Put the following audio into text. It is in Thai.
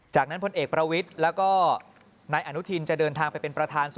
จากนั้นพลเอกประวิทย์แล้วก็นายอนุทินจะเดินทางไปเป็นประธาน